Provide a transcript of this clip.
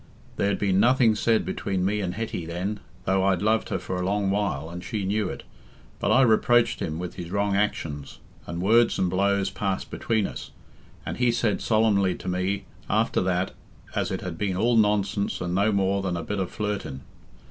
There'd been nothing said between me and Hetty then, though I'd loved her for a long while, and she knew it. But I reproached him with his wrong actions, and words and blows passed between us; and he said solemnly to me, after that, as it had been all nonsense and no more than a bit o' flirting.